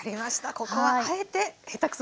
ここはあえて下手くそに。